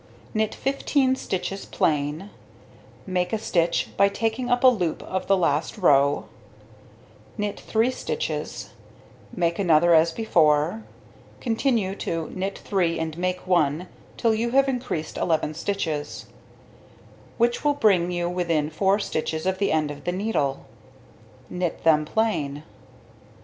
Knit 15 stitches plain, make a stitch by taking up a loop of the last row, knit 3 stitches, make another as before, continue to knit 3 and make 1 till you have increased 11 stitches, which will bring you within 4 stitches of the end of the needle; knit them plain.